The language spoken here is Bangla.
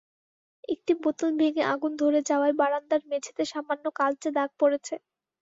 একটি বোতল ভেঙে আগুন ধরে যাওয়ায় বারান্দার মেঝেতে সামান্য কালচে দাগ পড়েছে।